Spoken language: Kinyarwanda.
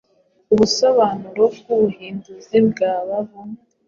Ubusobanuro bwubuhinduzi bwaba bumwe